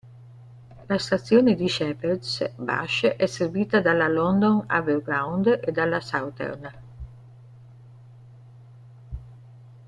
La Stazione di Shepherd's Bush è servita dalla London Overground e dalla Southern.